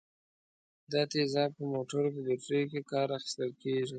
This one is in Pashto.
دا تیزاب په موټرو په بټریو کې کار اخیستل کیږي.